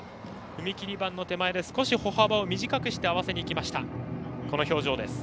踏切板の手前で少し歩幅を短くして合わせにいきました。